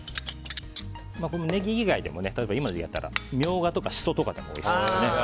ネギ以外でも例えば今の時期ならミョウガとかシソとかでもおいしそうですね。